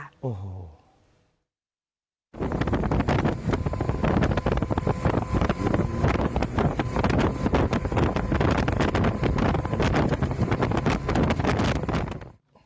โอ้โห